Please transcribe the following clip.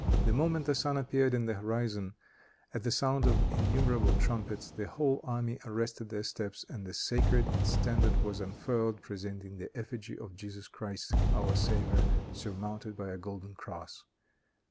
The moment the sun appeared in the horizon, at the sound of innumerable trumpets, the whole army arrested their steps and the sacred standard was unfurled, presenting the effigy of Jesus Christ, our Saviour, surmounted by a golden cross.